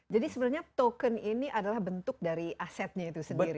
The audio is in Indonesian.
jadi sebenarnya token ini adalah bentuk dari asetnya itu sendiri